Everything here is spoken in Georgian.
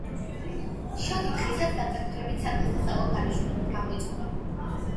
შოთი დღესაც განსაკუთრებით სადღესასწაულო დანიშნულებით გამოიყენება.